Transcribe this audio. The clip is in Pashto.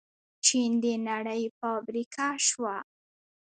چین د نړۍ فابریکه شوه.